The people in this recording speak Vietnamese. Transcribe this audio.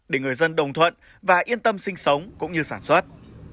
để người dân đồng thuận và yên tâm sinh sống cũng như sản xuất